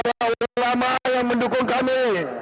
ulama ulama yang mendukung kami